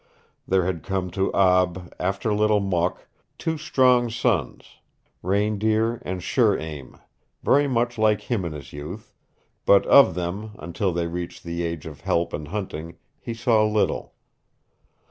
There had come to Ab after Little Mok two strong sons, Reindeer and Sure Aim, very much like him in his youth, but of them, until they reached the age of help and hunting, he saw little.